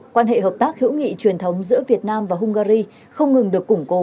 quan hệ hợp tác hữu nghị truyền thống giữa việt nam và hungary không ngừng được củng cố